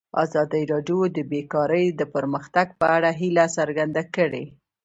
ازادي راډیو د بیکاري د پرمختګ په اړه هیله څرګنده کړې.